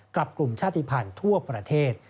กลุ่มชาติภัณฑ์ทั่วประเทศ